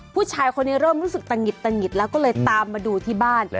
ผู้ชายคนนี้เริ่มรู้สึกตะหิดตะหิดแล้วก็เลยตามมาดูที่บ้าน